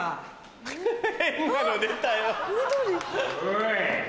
おい！